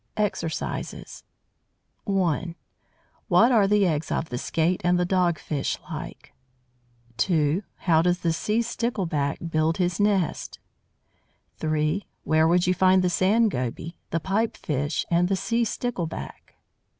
EXERCISES 1. What are the eggs of the Skate and the Dog fish like? 2. How does the Sea stickleback build his nest? 3. Where would you find the Sand Goby, the Pipe fish, and the Sea stickleback?